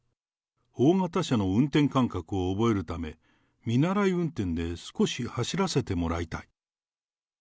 大型車の運転感覚を覚えるため、見習い運転で少し走らせてもらいたい。